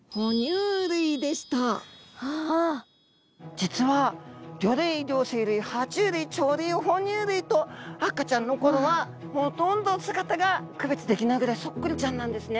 実は魚類両生類は虫類鳥類哺乳類と赤ちゃんの頃はほとんど姿が区別できないぐらいそっくりちゃんなんですね。